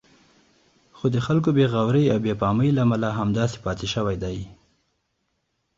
خو د خلکو بې غورئ او بې پامۍ له امله همداسې پاتې شوی دی.